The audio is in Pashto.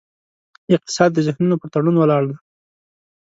اقتصاد د ذهنونو پر تړون ولاړ دی.